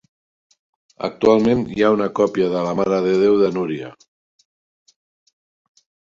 Actualment hi ha una còpia de la Mare de Déu de Núria.